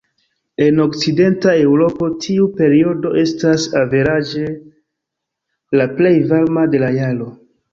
En Okcidenta Eŭropo tiu periodo estas averaĝe la plej varma de la jaro.